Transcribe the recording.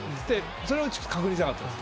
それを確認したかったんです。